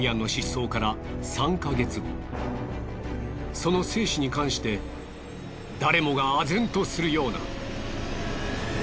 その生死に関して誰もがあ然とするような。